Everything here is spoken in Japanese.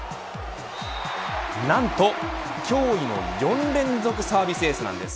なんと、驚異の４連続サービスエースなんです。